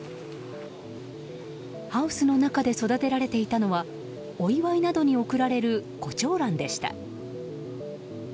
ハウスの中で育てられていたのはお祝いなどに贈られるコチョウランでした。